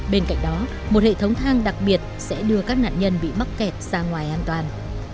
bên cạnh đó một hệ thống thang đặc biệt sẽ đưa các nạn nhân bị mắc kẹt ra ngoài an toàn